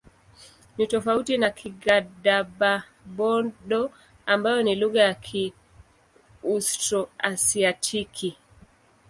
Ni tofauti na Kigadaba-Bodo ambayo ni lugha ya Kiaustro-Asiatiki.